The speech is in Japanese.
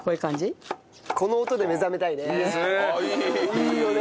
いいよね